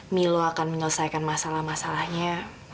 milo akan menyelesaikan masalah masalahnya